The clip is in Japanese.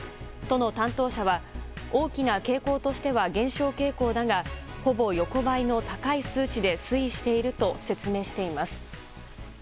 都の担当者は大きな傾向としては減少傾向だがほぼ横ばいの高い数値で推移していると説明しています。